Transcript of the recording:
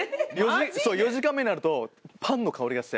４時間目になるとパンの香りがして。